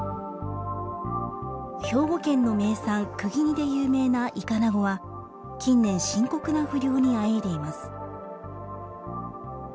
兵庫県の名産くぎ煮で有名なイカナゴは、近年深刻な不漁にあえいでいます。